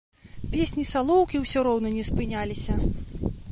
Песні салоўкі ўсё роўна не спыняліся.